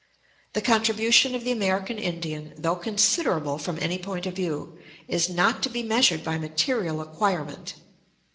The contribution of the American Indian, though considerable from any point of view, is not to be measured by material acquirement.